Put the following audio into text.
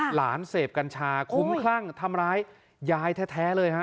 เสพกัญชาคุ้มคลั่งทำร้ายยายแท้เลยฮะ